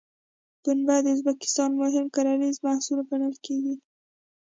پنبه د ازبکستان مهم کرنیز محصول ګڼل کېږي.